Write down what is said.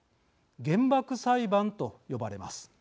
原爆裁判と呼ばれます。